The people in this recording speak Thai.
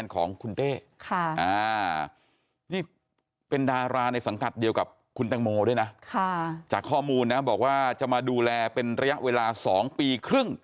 ครับจากข้อมูลนะบอกว่าจะมาดูแลเป็นระยะเวลา๒ปีครึ่ง